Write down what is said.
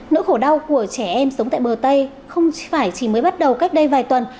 nỗi khổ đau của trẻ em sống tại bờ tây không phải chỉ mới bắt đầu cách đây vài tuần